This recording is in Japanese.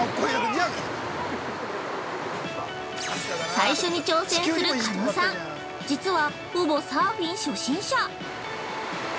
◆最初に挑戦する狩野さん、実は、ほぼサーフィン初心者。